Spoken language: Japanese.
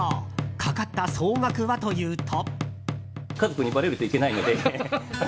かかった総額はというと。